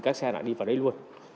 các xe lại đi vào đấy luôn